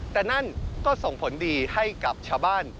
แต่นั่นก็ส่งผลดีให้กับชาวบ้าน